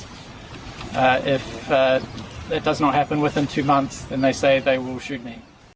jika itu tidak terjadi dalam dua bulan mereka akan menembak saya